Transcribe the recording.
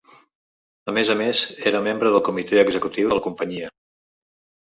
A més a més, era membre del comitè executiu de la companyia.